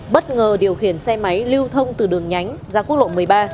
bất ngờ điều khiển xe máy lưu thông từ đường nhánh ra quốc lộ một mươi ba